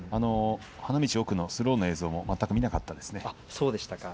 花道奥のスローの映像も全く見なかったですね。